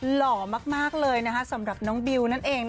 หล่อมากเลยสำหรับน้องบิวนั่นเอง